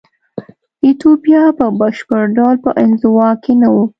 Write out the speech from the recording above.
ایتوپیا په بشپړ ډول په انزوا کې نه وه.